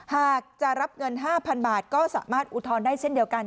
หากจะรับเงิน๕๐๐๐บาทก็สามารถอุทธรณ์ได้เช่นเดียวกัน